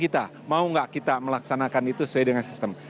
kita mau nggak kita melaksanakan itu sesuai dengan sistem